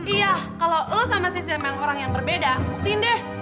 iya kalo lo sama sisil memang orang yang berbeda buktiin deh